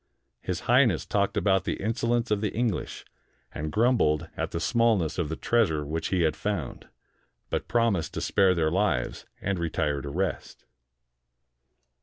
His Highness talked about the insolence of the English, and grumbled at the smallness of the treasure which he had found; but promised to spare their lives, and retired to rest.